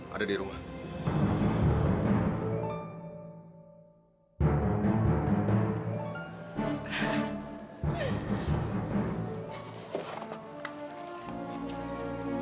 ada di rumah